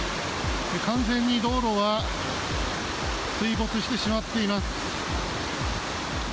完全に道路は水没してしまっています。